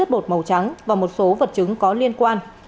bột màu trắng và một số vật chứng có liên quan